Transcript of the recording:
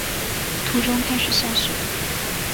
途中开始下雪了